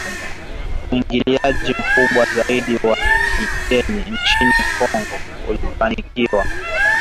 Uingiliaji mkubwa zaidi wa kigeni nchini Kongo ulifanyika katika kipindi cha mwongo mmoja kando na operesheni ya kulinda Amani ya Umoja wa mataifa.